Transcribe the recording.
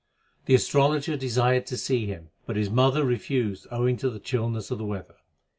The astrologer desired to see him, but his mother refused owing to the chillness of the weather.